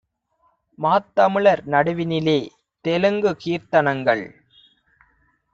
மாத்தமிழர் நடுவினிலே தெலுங்குகீர்த் தனங்கள்!